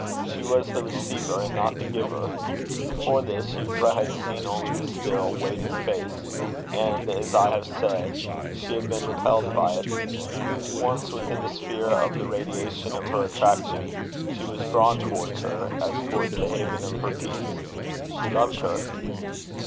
She was the receiver and not the giver. Before this, Euphra had seen only the still waiting face; and, as I have said, she had been repelled by it. Once within the sphere of the radiation of her attraction, she was drawn towards her, as towards the haven of her peace: she loved her.